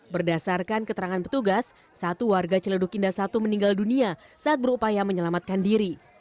berdasarkan keterangan petugas satu warga celeduk indah satu meninggal dunia saat berupaya menyelamatkan diri